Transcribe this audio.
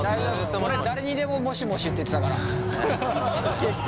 俺誰にでももしもしって言ってたから結構。